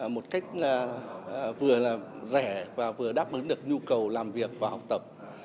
một cách vừa là rẻ và vừa đáp ứng được nhu cầu làm việc và học tập